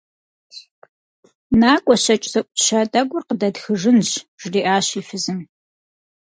НакӀуэ, щэкӀ зэӀутща тӀэкӀур къыдэтхыжынщ, - жриӏащ и фызым.